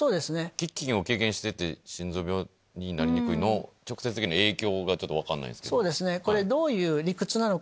「飢饉を経験してて心臓病になりにくい」の直接的な影響がちょっと分かんないんですけど。